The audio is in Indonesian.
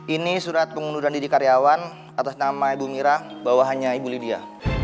ini surat pengunduran diri karyawan atas nama ibu mirah bawahannya ibu lydia